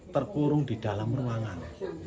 terkurung di dalam ruangan